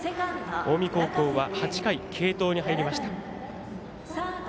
近江高校は８回、継投に入りました。